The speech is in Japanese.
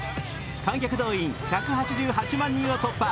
観客動員１８８万人を突破。